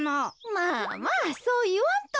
まあまあそういわんと。